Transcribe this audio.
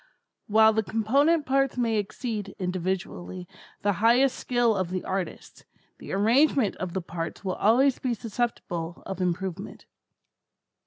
While the component parts may exceed, individually, the highest skill of the artist, the arrangement of the parts will always be susceptible of improvement.